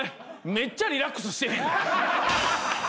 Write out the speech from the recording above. めっちゃリラックスしてへんか？